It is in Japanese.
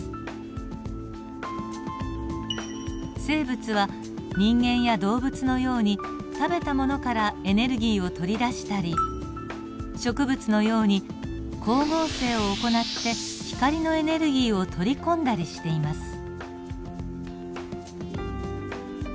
生物は人間や動物のように食べたものからエネルギーを取り出したり植物のように光合成を行って光のエネルギーを取り込んだりしています。